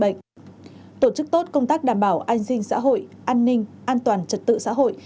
phòng chống dịch bệnh tổ chức tốt công tác đảm bảo an ninh xã hội an ninh an toàn trật tự xã hội